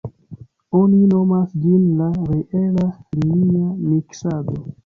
Oni nomas ĝin la reela-linia miksado.